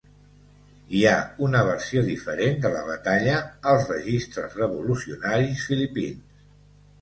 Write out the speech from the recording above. Hi ha una versió diferent de la batalla als registres revolucionaris filipins.